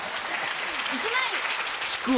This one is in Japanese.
１枚！